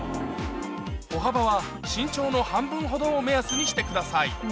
歩幅は身長の半分ほどを目安にしてください